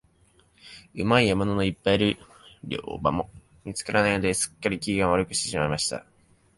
うまい獲物のいっぱいいる猟場も見つからないので、すっかり、機嫌を悪くしていました。